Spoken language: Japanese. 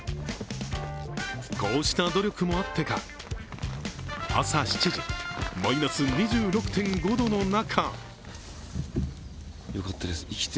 こうした努力もあってか、朝７時マイナス２６．５度の中